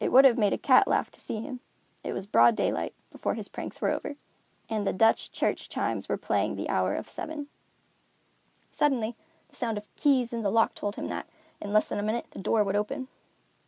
It would have made a cat laugh to see him. It was broad daylight, before his pranks were over, and the Dutch church chimes were playing the hour of seven. Suddenly the sound of keys in the lock told him that, in less than a minute, the door would open.